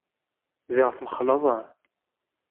Ziɣ tmexleḍ!